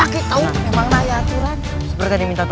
kenceng kenceng kenceng